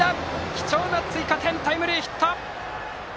貴重な追加点タイムリーヒット！